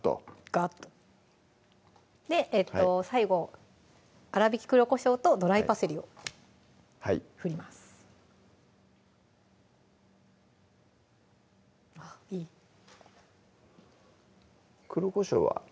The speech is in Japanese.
ガッと最後粗びき黒こしょうとドライパセリを振りますあっいい黒こしょうは？